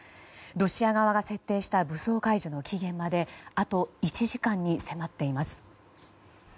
ロシア側が設定した武装解除の期限まであと１時間に迫っています。